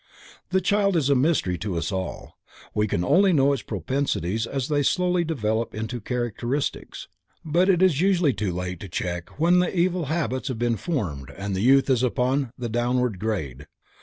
The child is a mystery to us all, we can only know its propensities as they slowly develop into characteristics, but it is usually too late to check when evil habits have been formed and the youth is upon the downward grade.